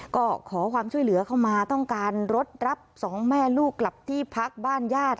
ก็ขอความช่วยเหลือเข้ามาต้องการรถรับสองแม่ลูกกลับที่พักบ้านญาติ